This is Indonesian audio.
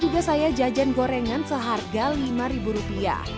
juga saya jajan gorengan seharga rp lima